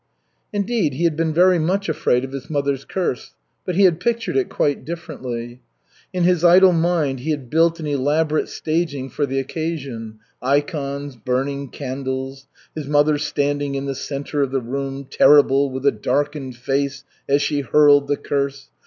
Indeed, he had been very much afraid of his mother's curse but he had pictured it quite differently. In his idle mind he had built an elaborate staging for the occasion, ikons, burning candles, his mother standing in the center of the room, terrible, with a darkened face as she hurled the curse.